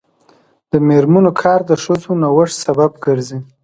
د میرمنو کار د ښځو نوښت سبب ګرځي.